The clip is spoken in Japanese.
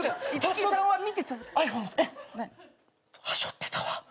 はしょってたわ。